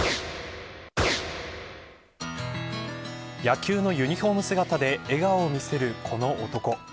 野球のユニホーム姿で笑顔を見せるこの男。